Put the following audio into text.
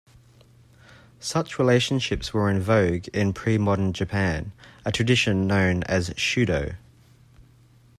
Such relationships were in vogue in pre-modern Japan, a tradition known as shudo.